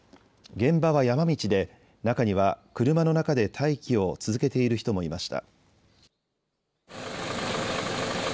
現場は山道で中には車の中で待機を続けている人もいました。